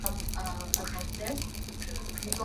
Kitabu kimechomwa